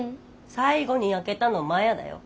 最後に開けたのマヤだよ。